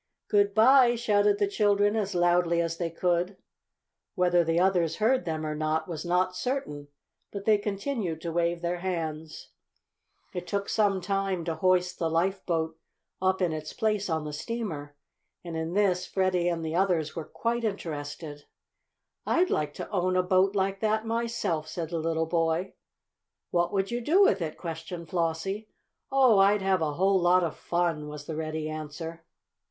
"Good bye!" shouted the children, as loudly as they could. Whether the others heard them or not was not certain, but they continued to wave their hands. It took some time to hoist the lifeboat up in its place on the steamer, and in this Freddie and the others were quite interested. "I'd like to own a boat like that myself," said the little boy. "What would you do with it?" questioned Flossie. "Oh, I'd have a whole lot of fun," was the ready answer.